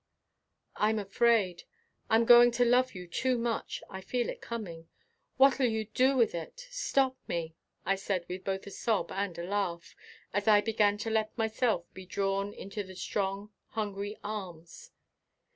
"I'm afraid I'm going to love you too much I feel it coming. What'll you do with it? Stop me!" I said with both a sob and a laugh, as I began to let myself be drawn into the strong, hungry arms.